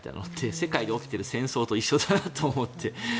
世界で起きている戦争と一緒だなと思って。